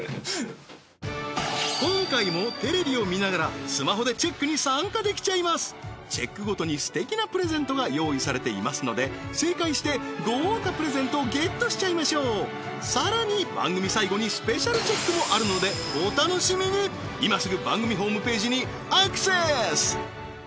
今回もテレビを見ながらスマホでチェックに参加できちゃいますチェックごとにすてきなプレゼントが用意されていますので正解して豪華プレゼントをゲットしちゃいましょうさらに番組さいごにスペシャルチェックもあるのでお楽しみにいますぐ番組ホームページにアクセス